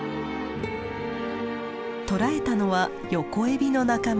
捕らえたのはヨコエビの仲間。